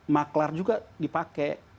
maklar juga dipakai